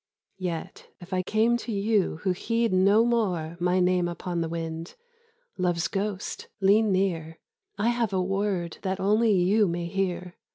Yet if I came to you who heed no more My name upon the wind? Love's ghost, lean near, I have a word that only you may hear.